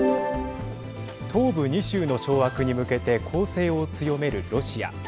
東部２州の掌握に向けて攻勢を強めるロシア。